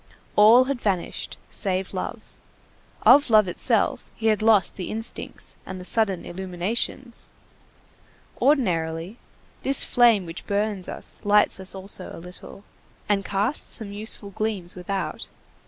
All had vanished, save love. Of love itself he had lost the instincts and the sudden illuminations. Ordinarily, this flame which burns us lights us also a little, and casts some useful gleams without.